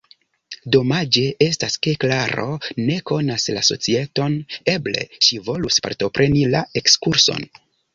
Domaĝe estas, ke Klaro ne konas la societon, eble ŝi volus partopreni la ekskurson.